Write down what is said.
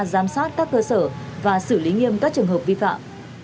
giám sát các cơ sở và xử lý nghiêm các trường hợp vi phạm